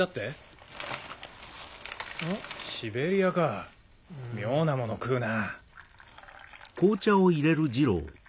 シベリヤか妙なものを食うな。